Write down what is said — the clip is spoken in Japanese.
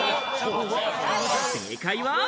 正解は。